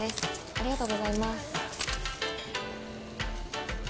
ありがとうございます。